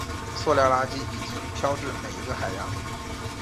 塑料垃圾已经飘至每一个海洋。